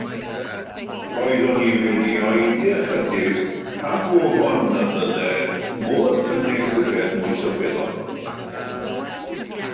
Roeddwn i wedi oedi ychydig rhag ofn y byddai modd cynnig rhywbeth mwy sylweddol.